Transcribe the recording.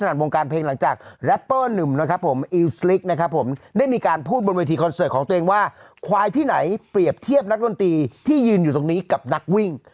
นี่มีการพูดบนเวทีโคลนเซิร์ตของตัวเองว่าฮวายที่ไหนเปรียบเทียบนักมดีที่ยืนอยู่ตรงนี้กับนักวิ่ง